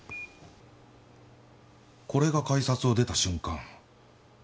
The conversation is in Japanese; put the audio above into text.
これが改札を出た瞬間。